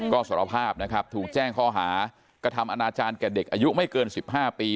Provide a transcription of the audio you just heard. ก็สารภาพนะครับถูกแจ้งข้อหากระทำอนาจารย์แก่เด็กอายุไม่เกิน๑๕ปี